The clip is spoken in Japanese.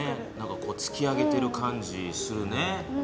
なんかこうつき上げてる感じするね。